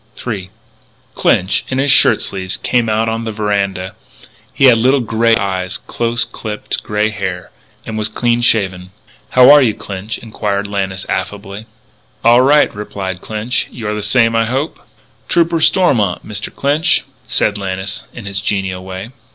III Clinch, in his shirt sleeves, came out on the veranda. He had little light grey eyes, close clipped grey hair, and was clean shaven. "How are you, Clinch," inquired Lannis affably. "All right," replied Clinch; "you're the same, I hope." "Trooper Stormont, Mr. Clinch," said Lannis in his genial way.